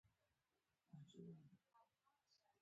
د دې لپاره چې توقعات مو په حقيقت بدل شي.